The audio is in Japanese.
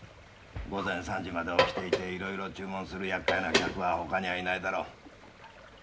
午前３時まで起きていていろいろ注文するやっかいな客は他にはいないだろう。